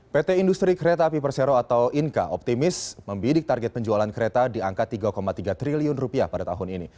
pt industri kereta api persero atau inka optimis membidik target penjualan kereta di angka tiga tiga triliun rupiah pada tahun ini